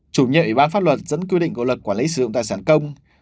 chủ nhiệm ủy ban pháp luật dẫn quy định của luật quản lý sử dụng tài sản công